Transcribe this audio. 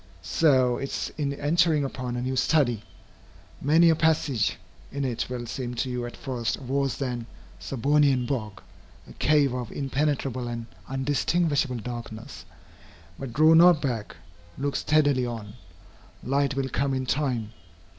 So it is in entering upon a new study. Many a passage in it will seem to you at first a worse than Serbonian bog a cave of impenetrable and undistinguishable darkness. But draw not back. Look steadily on. Light will come in time.